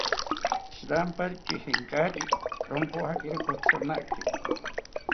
Shirampari kijinkari, rompojakiro kotzironaki